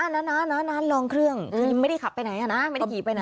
น้าลองเครื่องคือไม่ได้ขับไปไหนนะไม่ได้ขี่ไปไหน